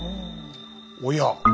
おや！